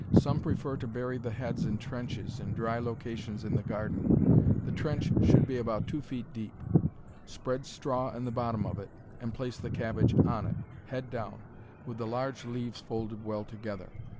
Some prefer to bury the heads in trenches, in dry locations in the garden. The trench should be about two feet deep. Spread straw in the bottom of it, and place the cabbage on it, head down, with the large leaves folded well together.